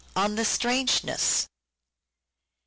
I.) on The strangeness " (V.